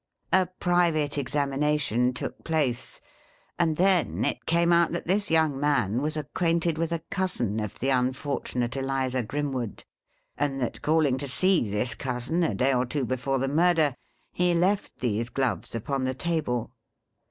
A private examination took place, and then it came out that this young man was acquainted with a cousin of the unfortunate Eliza Grim woods, and that, calling to see this cousin a day or two before the murder, he left these gloves upon the table.